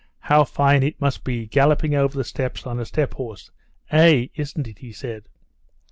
"How fine it must be galloping over the steppes on a steppe horse! Eh? isn't it?" he said.